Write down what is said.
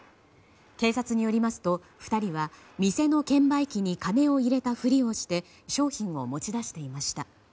警察によりますと２人は店の券売機に金を入れたふりをして商品を持ち出していました。